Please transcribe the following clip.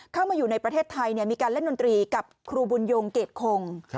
เข้ามาอยู่ในประเทศไทยมีการเล่นดนตรีกับครูบุญยงเกรดคง